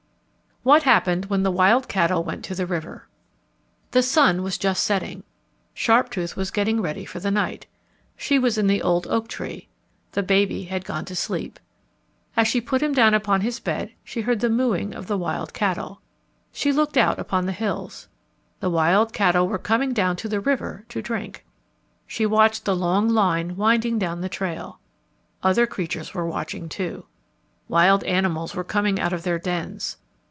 What Happened When the Wild Cattle Went to the River The sun was just setting. Sharptooth was getting ready for the night. She was in the old oak tree. The baby had gone to sleep. As she put him down upon his bed she heard the mooing of the wild cattle. She looked out upon the hills. The wild cattle were coming down to the river to drink. She watched the long line winding down the trail. Other creatures were watching, too. Wild animals were coming out of their dens.